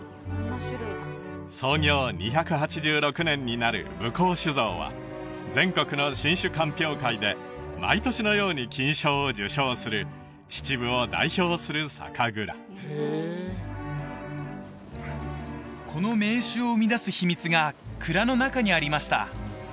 創業２６８年になる武甲酒造は全国の新酒鑑評会で毎年のように金賞を受賞する秩父を代表する酒蔵この銘酒を生み出す秘密が蔵の中にありました